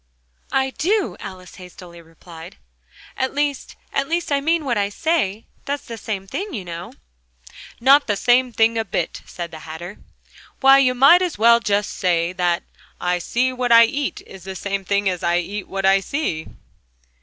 "I do," Alice hastily replied; "at least at least I mean what I say that's the same thing, you know." "Not the same thing a bit!" said the Hatter. "Why, you might just as well say that 'I see what I eat' is the same thing as 'I eat what I see'!"